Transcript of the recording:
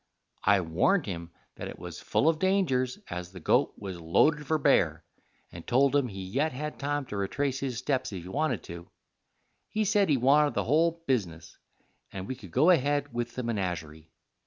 I warned him that it was full of dangers, as the goat was loaded for bear, and told him he yet had time to retrace his steps if he wanted to. He said he wanted the whole bizness, and we could go ahead with the menagerie.